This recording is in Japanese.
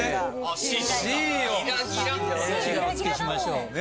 私がおつけしましょう。